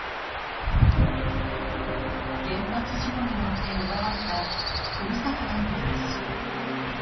原発事故によって奪われた故郷での暮らし。